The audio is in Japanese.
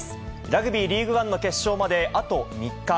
ラグビーリーグワンの決勝まであと３日。